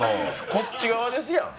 こっち側ですやん。